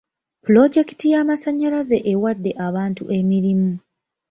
Pulojekiti y'amasannyalaze ewadde abantu emirimu.